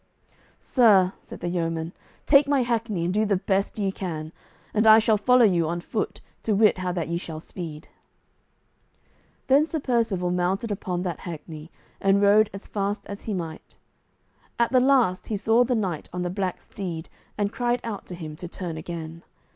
"Sir," said the yeoman, "take my hackney and do the best ye can, and I shall follow you on foot, to wit how that ye shall speed." Then Sir Percivale mounted upon that hackney, and rode as fast as he might. At the last he saw the knight on the black steed, and cried out to him to turn again.